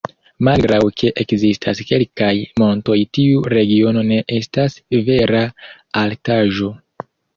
Malgraŭ ke ekzistas kelkaj montoj tiu regiono ne estas vera altaĵo.